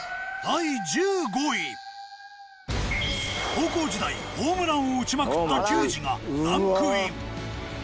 高校時代ホームランを打ちまくった球児がランクイン。